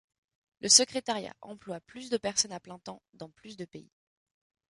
Le secrétariat emploie plus de personnes à plein temps dans plus de pays.